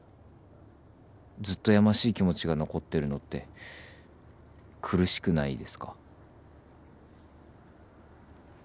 ずっとやましい気持ちが残ってるのって苦しくないですか？